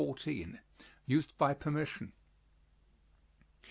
Used by permission.